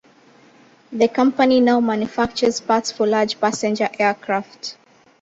The company now manufactures parts for large passenger aircraft.